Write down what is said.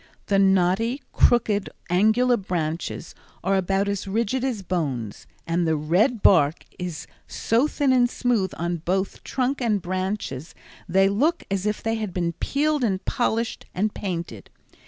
The knotty, crooked, angular branches are about as rigid as bones, and the red bark is so thin and smooth on both trunk and branches, they look as if they had been peeled and polished and painted.